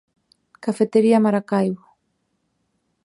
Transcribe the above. Cafetería Maracaibo.